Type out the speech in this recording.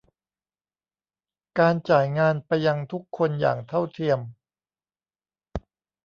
การจ่ายงานไปยังทุกคนอย่างเท่าเทียม